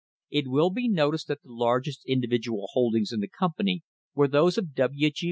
It will be noticed that the largest individual holdings in the company were those of W. G.